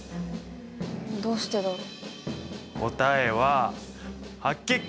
どうしてだろう。